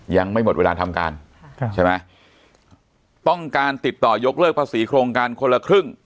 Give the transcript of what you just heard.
ยังไม่หมดเวลาทำการใช่ไหมต้องการติดต่อยกเลิกภาษีโครงการคนละครึ่ง